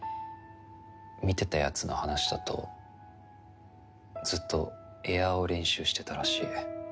見てたやつの話だとずっとエアーを練習してたらしい。